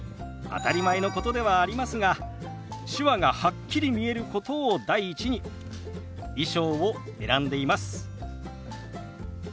当たり前のことではありますが手話がはっきり見えることを第一に衣装を選んでいます。